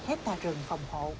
chín hecta rừng phòng hộ